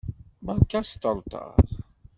Berka asṭerṭer!